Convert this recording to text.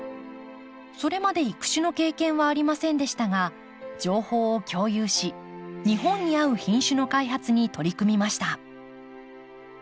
それまで育種の経験はありませんでしたが情報を共有し日本に合う品種の開発に取り組みました。